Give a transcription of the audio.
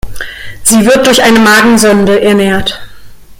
Sie wird durch eine Magensonde ernährt.